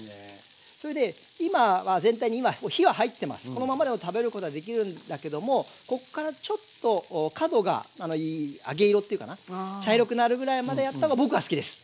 このままでも食べることはできるんだけどもここからちょっと角がいい揚げ色っていうかな茶色くなるぐらいまでやった方が僕は好きです。